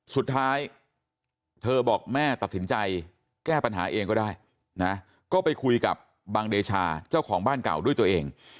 สุดท้ายเธอบอกแม่ตัดสินใจแก้ปัญหาเองก็ได้นะก็ไปคุยกับบังเดชาเจ้าของบ้านเก่าด้วยตัวเอง